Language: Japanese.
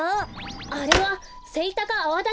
あれはセイタカアワダチソウです。